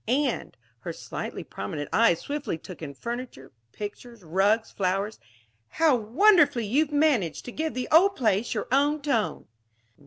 And" her slightly prominent eyes swiftly took in furniture, pictures, rugs, flowers, "how wonderfully you have managed to give the old place your own tone!"